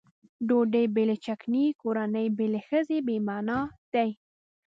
ډوډۍ بې له چکنۍ کورنۍ بې له ښځې بې معنا دي.